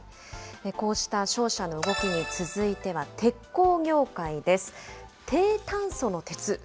こうした商社の動きに続いては鉄鋼業界です。